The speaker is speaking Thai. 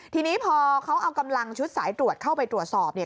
ทีนี้พอเขาเอากำลังชุดสายตรวจเข้าไปตรวจสอบเนี่ย